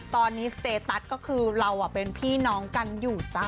ตอนนี้สเตตัสก็คือเราเป็นพี่น้องกันอยู่จ้ะ